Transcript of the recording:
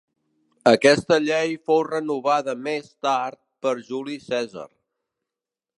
Aquesta llei fou renovada més tard per Juli Cèsar.